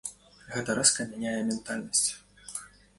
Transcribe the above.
Гэта рэзка мяняе ментальнасць.